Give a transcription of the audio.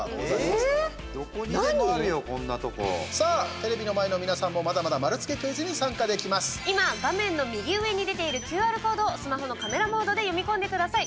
テレビの前の皆さんもまだまだ丸つけクイズに今、画面の右上に出ているＱＲコードをスマホのカメラモードで読み込んでください。